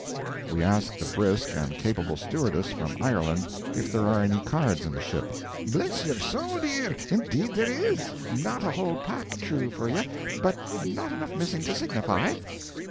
We ask the brisk and capable stewardess from Ireland if there are any cards in the ship. "Bless your soul, dear, indeed there is. Not a whole pack, true for ye, but not enough missing to signify."